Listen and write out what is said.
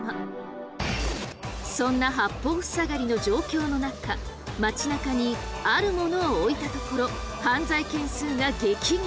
そんな八方塞がりの状況の中街中にあるものを置いたところ犯罪件数が激減！